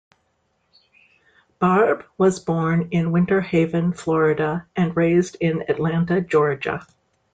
Barbe was born in Winter Haven, Florida, and raised in Atlanta, Georgia.